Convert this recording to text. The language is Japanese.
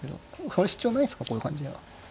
これ主張ないですかこういう感じは。